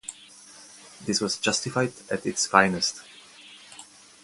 This was "Justified" at its finest.